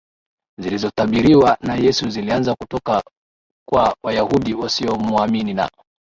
zilizotabiriwa na Yesu zilianza kutoka kwa Wayahudi wasiomuamini na